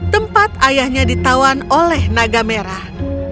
tempat ayahnya ditawan oleh naga merah